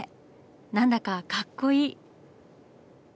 何だかかっこいい。